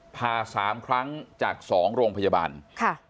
ผ่า๓ครั้งจาก๒โรงพยาบาลค่ะ